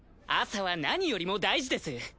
朝は何よりも大事です。